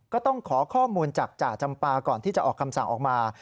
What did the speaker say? ก็ต้องขอข้อมูลจากจ่าจำปาก่อนที่จะออกคำสั่งออกมา